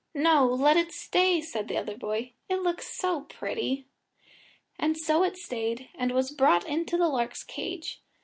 "No let it stay," said the other boy, "it looks so pretty." And so it stayed, and was brought into the lark's cage.